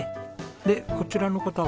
でこちらの方は？